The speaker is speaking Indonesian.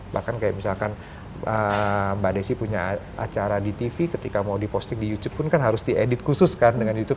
bahkan kayak misalkan mbak desi punya acara di tv ketika mau diposting di youtube pun kan harus diedit khusus kan dengan youtube